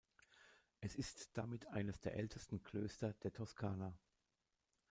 Es ist damit eines der ältesten Klöster der Toskana.